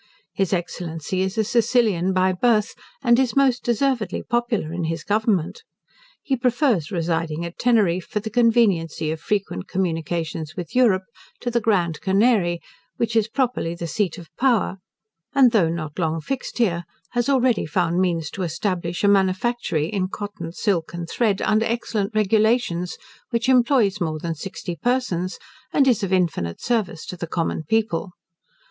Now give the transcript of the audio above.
His Excellency is a Sicilian by birth, and is most deservedly popular in his government. He prefers residing at Teneriffe, for the conveniency of frequent communication with Europe, to the Grand Canary, which is properly the seat of power; and though not long fixed here, has already found means to establish a manufactory in cotton, silk, and thread, under excellent regulations, which employs more than sixty persons, and is of infinite service to the common people.